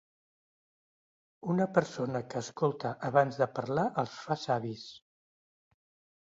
Una persona que escolta abans de parlar els fa savis.